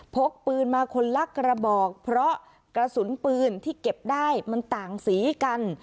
พกปืนมาคนละกระบอกเพราะกระสุนปืนที่เก็บได้มันต่างสีกัน